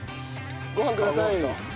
ご飯ください！